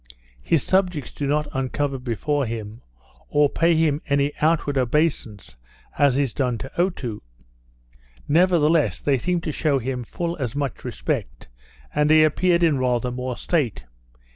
His subjects do not uncover before him, or pay him any outward obeisance as is done to Otoo; nevertheless, they seem to shew him full as much respect, and he appeared in rather more state.